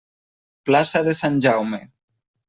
Plaça de Sant Jaume.